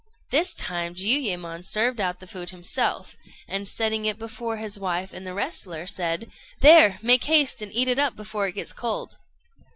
This time Jiuyémon served out the food himself, and, setting it before his wife and the wrestler, said "There! make haste and eat it up before it gets cold."